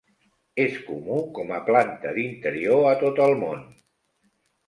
És comú com a planta d'interior a tot el món.